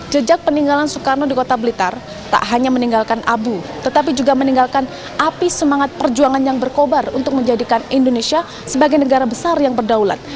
jejak peninggalan soekarno di kota blitar tak hanya meninggalkan abu tetapi juga meninggalkan api semangat perjuangan yang berkobar untuk menjadikan indonesia sebagai negara besar yang berdaulat